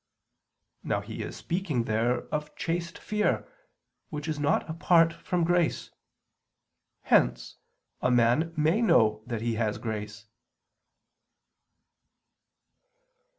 Now He is speaking there of chaste fear, which is not apart from grace. Hence a man may know that he has grace.